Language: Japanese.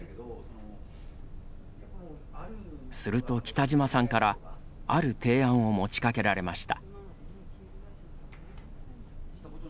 すると北島さんからある提案を持ちかけられました。